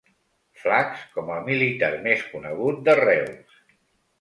Flacs com el militar més conegut de Reus.